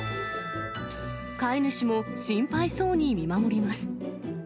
飼い主も心配そうに見守ります。